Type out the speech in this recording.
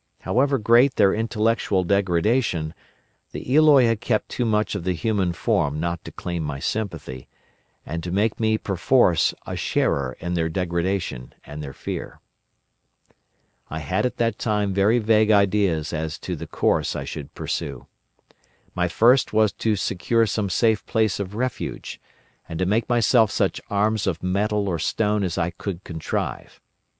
However great their intellectual degradation, the Eloi had kept too much of the human form not to claim my sympathy, and to make me perforce a sharer in their degradation and their Fear. "I had at that time very vague ideas as to the course I should pursue. My first was to secure some safe place of refuge, and to make myself such arms of metal or stone as I could contrive.